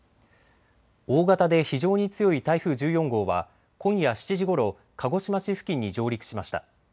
大型で非常に強い台風１４号は今夜７時ごろ鹿児島市付近に上陸しました。